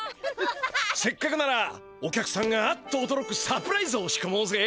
せっかくならお客さんがアッとおどろくサプライズをしこもうぜ！